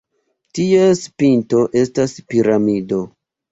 Ties pinto estas piramido.